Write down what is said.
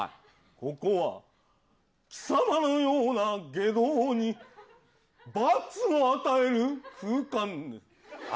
ここは、貴様のような外道に罰を与える空間だ。